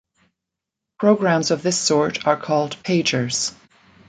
Programs of this sort are called "pagers".